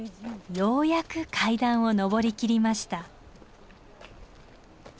ようやく階段を上りきりました。